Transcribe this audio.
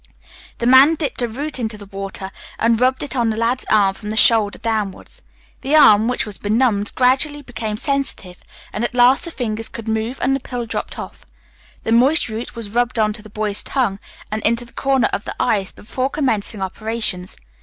The man dipped a root into the water, and rubbed it on the lad's arm from the shoulder downwards. The arm, which was benumbed, gradually became sensitive, and at last the fingers could move, and the pill dropped off. The moist root was rubbed on to the boy's tongue, and into the corner of the eyes, before commencing operations.